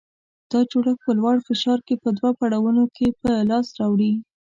دا جوړښت په لوړ فشار کې په دوه پړاوونو کې په لاس راوړي.